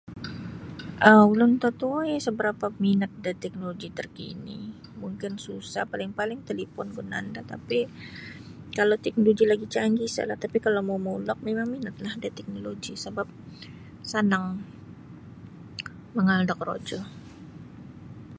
um Ulun totuo iyo usa barapa minat da teknologi terkini mungkin susah paling-paling talipun gunaan do tapi kalau teknologi lagi canggih isa lah tapi kalau momulok mimang minatlah da teknologi sabab sanang mangaal da korojo.